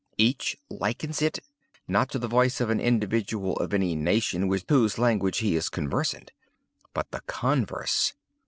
Each likens it—not to the voice of an individual of any nation with whose language he is conversant—but the converse.